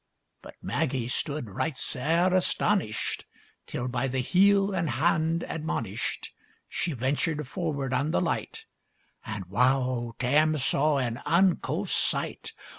But Maggie stood right sair astonished, Till, by the heel and hand admonished She ventured forward on the light; And wow! Tam saw an unco sight!